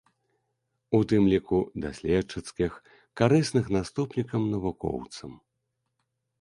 У тым ліку даследчыцкіх, карысных наступнікам-навукоўцам.